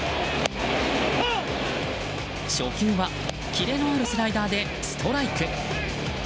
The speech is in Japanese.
初球はキレのあるスライダーでストライク。